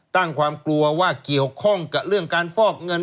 ตั้งความกลัวว่าเกี่ยวข้องกับเรื่องการฟอกเงิน